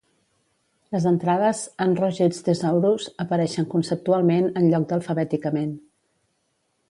Les entrades en "Roget's Thesaurus" apareixen conceptualment en lloc d'alfabèticament.